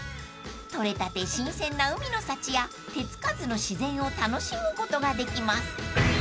［取れたて新鮮な海の幸や手付かずの自然を楽しむことができます］